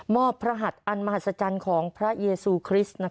พระหัสอันมหัศจรรย์ของพระเยซูคริสต์